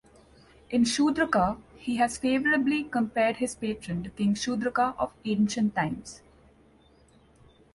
In "Shudraka", he has favourably compared his patron to King Shudraka of ancient times.